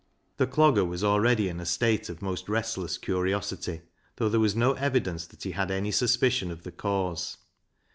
The Clogger was already in a state of most restless curiosity, though there was no evidence that he had any suspicion of the cause.